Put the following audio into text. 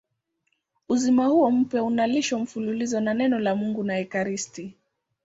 Uzima huo mpya unalishwa mfululizo na Neno la Mungu na ekaristi.